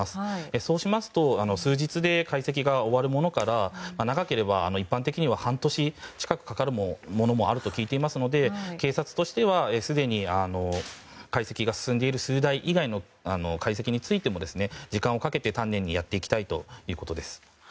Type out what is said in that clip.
そうしますと数日で解析が終わるものから長ければ一般的に半年近くかかるものもあると聞いていますので警察としてはすでに解析が進んでいる数台以外の解析についても時間をかけて丹念にやっていきたいということです。